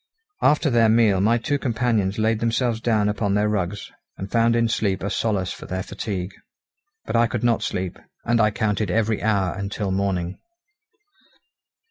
After their meal my two companions laid themselves down upon their rugs, and found in sleep a solace for their fatigue. But I could not sleep, and I counted every hour until morning.